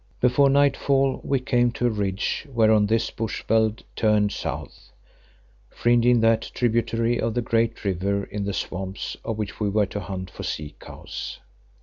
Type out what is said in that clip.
Before nightfall we came to a ridge whereon this bush veld turned south, fringing that tributary of the great river in the swamps of which we were to hunt for sea cows.